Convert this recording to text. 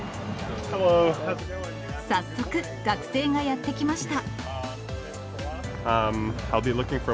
早速、学生がやって来ました。